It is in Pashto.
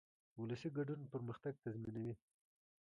ولسي ګډون پرمختګ تضمینوي.